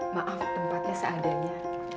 maaf tempatnya seadanya